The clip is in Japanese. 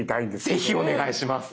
ぜひお願いします。